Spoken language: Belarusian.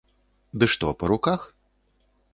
Ды што па руках?